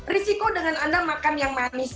risiko dengan anda makan yang manis